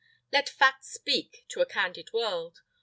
Let facts speak to a candid world.